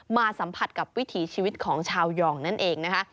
สัมผัสกับวิถีชีวิตของชาวยองนั่นเองนะคะ